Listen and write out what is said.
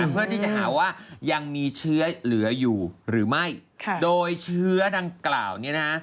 เพื่อที่จะหาว่ายังมีเชื้อเหลืออยู่หรือไม่โดยเชื้อดังกล่าวเนี่ยนะฮะ